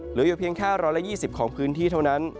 เหลืออยู่เพียงแค่๑๒๐ของพื้นที่เท่านั้น